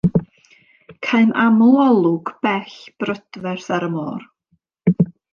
Caem aml olwg bell brydferth ar y môr.